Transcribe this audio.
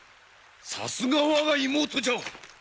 さすが我が妹じゃ！